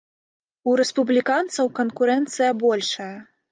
У рэспубліканцаў канкурэнцыя большая.